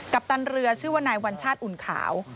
ปตันเรือชื่อว่านายวัญชาติอุ่นขาว